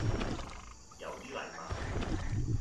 有啲禮貌